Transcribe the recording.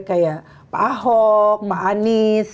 kayak pak ahok pak anies